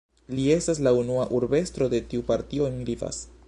Li estas la unua urbestro de tiu partio en Rivas.